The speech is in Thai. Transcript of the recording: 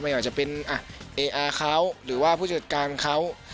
อาจจะเป็นเออาร์เขาหรือว่าผู้จัดการเขา